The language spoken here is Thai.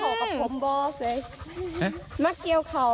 เหงวปใบหน้า